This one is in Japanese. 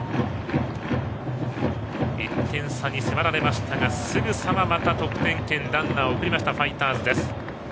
１点差に迫られましたがすぐさま得点圏にランナーを送ったファイターズです。